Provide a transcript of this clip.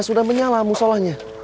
sudah menyala musolahnya